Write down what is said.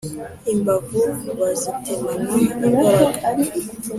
Imbavu bazitemana imbaraga